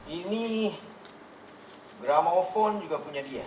ini drama ophon juga punya dia